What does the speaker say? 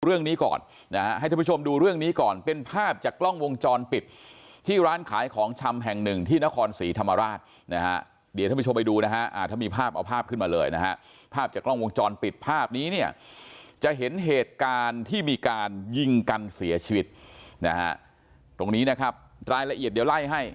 เรื่องนี้ก่อนนะฮะให้ท่านผู้ชมดูเรื่องนี้ก่อนเป็นภาพจากกล้องวงจรปิดที่ร้านขายของชำแห่งหนึ่งที่นครศรีธรรมราชนะฮะเดี๋ยวท่านผู้ชมไปดูนะฮะถ้ามีภาพเอาภาพขึ้นมาเลยนะฮะภาพจากกล้องวงจรปิดภาพนี้เนี่ยจะเห็นเหตุการณ์ที่มีการยิงกันเสียชีวิตนะฮะตรงนี้นะครับรายละเอียดเดี๋ยวไล่ให้